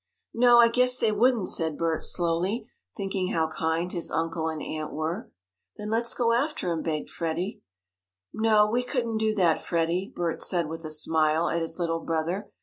"No, I guess they wouldn't," said Bert: slowly, thinking how kind his uncle and aunt were. "Then let's go after him!" begged Freddie. "No, we couldn't do that, Freddie," Bert said with a smile at his little brother.